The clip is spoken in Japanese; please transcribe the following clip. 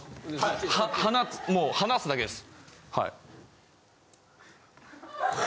放つもう離すだけです。